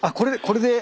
これで。